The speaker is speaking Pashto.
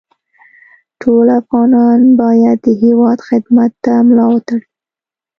ټول افغانان باید د هېواد خدمت ته ملا وتړي